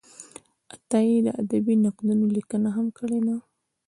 عطایي د ادبي نقدونو لیکنه هم کړې ده.